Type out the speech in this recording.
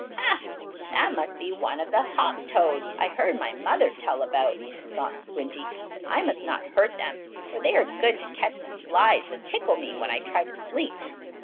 "Ha! That must be one of the hop toads I heard my mother tell about," thought Squinty. "I must not hurt them, for they are good to catch the flies that tickle me when I try to sleep.